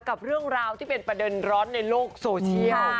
กับเรื่องราวที่เป็นประเด็นร้อนในโลกโซเชียล